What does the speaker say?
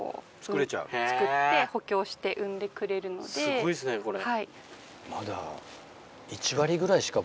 すごいですねこれ。